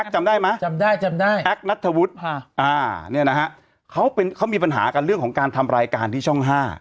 จำได้อ่ะคุณแอ๊กจำได้ไหมอ่า้นี่นะฮะเขามีปัญหาการเรื่องการทำรายการที่ช่อง๕